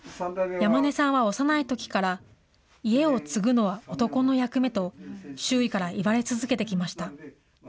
山根さんは幼いときから、家を継ぐのは男の役目と、周囲から言われ続けてきました。